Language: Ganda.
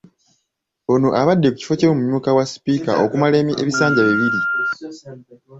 Ono abadde ku kifo ky’omumyuka wa Sipiika okumala ebisanja bibiri.